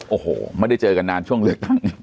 โอ้โหไม่ได้เจอกันนานช่วงเลือกตั้ง